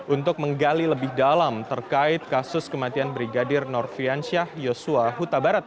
untuk menggali lebih dalam terkait kasus kematian brigadir norfiansyah yosua huta barat